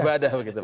ibadah begitu pak